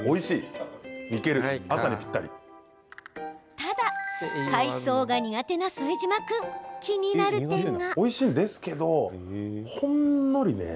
ただ海藻が苦手な副島君気になる点が。